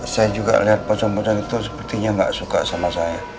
saya juga lihat pocong pocong itu sepertinya nggak suka sama saya